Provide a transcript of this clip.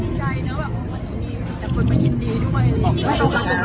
ทุกคนไม่ยินดีด้วย